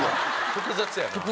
複雑やな。